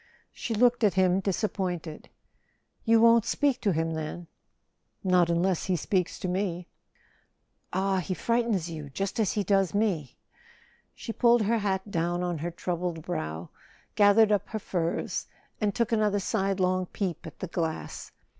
She looked at him, disappointed. "You won't speak to him then ?" "Not unless he speaks to me." "Ah, he frightens you—just as he does me!" [ 343 ] A SON AT THE FRONT She pulled her hat down on her troubled brow, gath¬ ered up her furs, and took another sidelong peep at the glass.